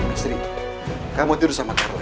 astri kamu tidur sama karlanya